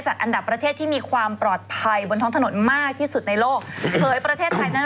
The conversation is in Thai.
อันดับ๑คือเอริเทียอันดับ๒โดมิกาน